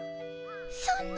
そんな。